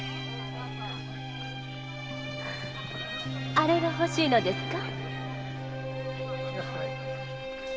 あれがほしいのですか？